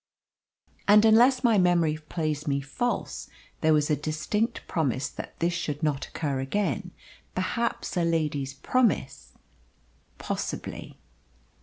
"And, unless my memory plays me false, there was a distinct promise that this should not occur again. Perhaps a lady's promise " "Possibly."